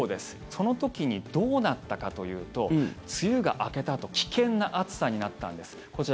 その時にどうなったかというと梅雨が明けたあと危険な暑さになったんです。